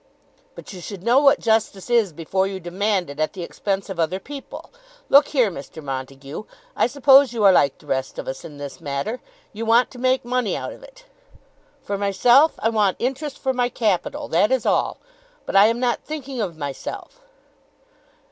"But you should know what justice is before you demand it at the expense of other people. Look here, Mr. Montague. I suppose you are like the rest of us, in this matter. You want to make money out of it." "For myself, I want interest for my capital; that is all. But I am not thinking of myself."